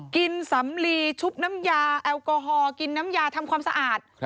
สำลีชุบน้ำยาแอลกอฮอลกินน้ำยาทำความสะอาด